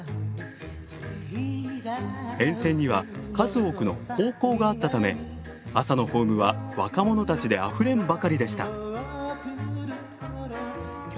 沿線には数多くの高校があったため朝のホームは若者たちであふれんばかりでした。